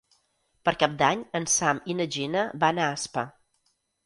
Per Cap d'Any en Sam i na Gina van a Aspa.